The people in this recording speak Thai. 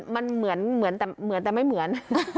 มันเหมือนแต่ไม่เหมือน